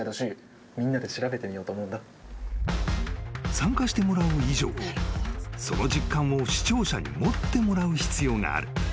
［参加してもらう以上その実感を視聴者に持ってもらう必要がある］